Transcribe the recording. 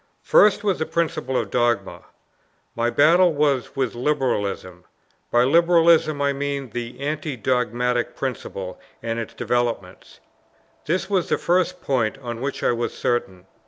First was the principle of dogma: my battle was with liberalism; by liberalism I mean the anti dogmatic principle and its developments. This was the first point on which I was certain.